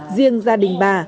riêng gia đình bà